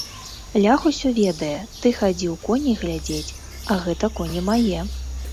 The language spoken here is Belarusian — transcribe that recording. Лях усё ведае, ты хадзіў коней глядзець, а гэта коні мае.